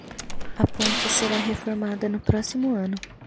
A ponte será reformada no próximo ano